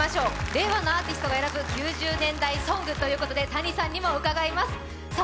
「令和のアーティストが選ぶ９０年代ソング」ということでＴａｎｉさんにも伺います。